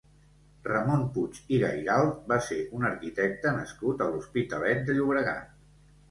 Ramon Puig i Gairalt va ser un arquitecte nascut a l'Hospitalet de Llobregat.